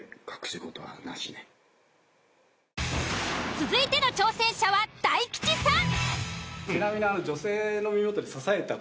続いての挑戦者は大吉さん。